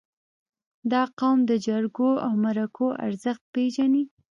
• دا قوم د جرګو او مرکو ارزښت پېژني.